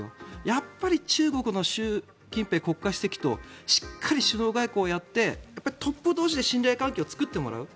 やっぱり中国の習近平国家主席としっかり首脳外交をやってトップ同士で信頼関係を作ってもらう。